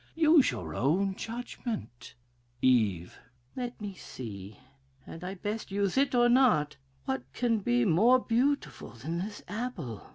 Use your own judgment. "Eve. Let me see had I best use it or not? What 'can be more beautiful than this apple?